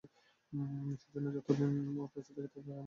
সেইজন্যই যতদিন ওঁর কাছে থাকতে পাই, আমি ওঁকে ছাড়ব না।